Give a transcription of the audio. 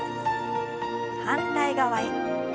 反対側へ。